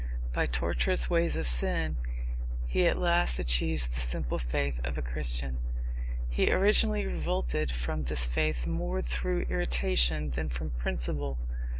By tortuous ways of sin he at last achieves the simple faith of a Christian. He originally revolted from this faith more through irritation than from principle.